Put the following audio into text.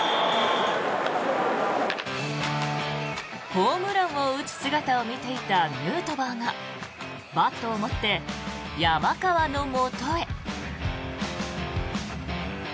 ホームランを打つ姿を見ていたヌートバーがバットを持って山川のもとへ。